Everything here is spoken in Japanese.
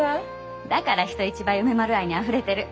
だから人一倍梅丸愛にあふれてる。